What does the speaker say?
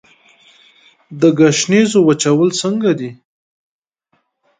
د ګشنیزو وچول څنګه دي؟